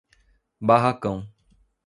Barracão